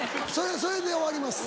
それで終わります。